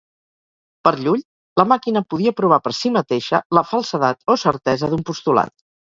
Per Llull, la màquina podia provar per si mateixa la falsedat o certesa d'un postulat.